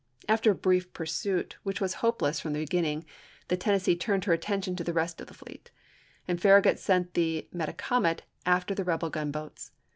After a brief pursuit, which was hopeless from the beginning, the Tennessee turned her attention to the rest of the fleet, and Farragut sent the Meta comet after the rebel gunboats.